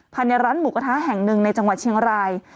ภายในร้านหมูกระทะแห่งหนึ่งในจังหวัดเชียงราย